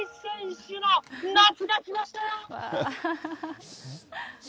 大谷選手の夏が来ました。